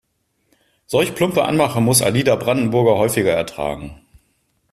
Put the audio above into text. Solch plumpe Anmache muss Alida Brandenburger häufiger ertragen.